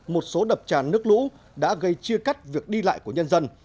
một số đập tràn nước lũ đã gây chia cắt việc đi lại của nhân dân